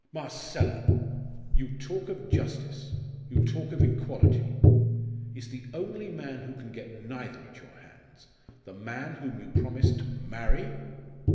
Marcella! you talk of justice you talk of equality is the only man who can get neither at your hands the man whom you promised to marry!"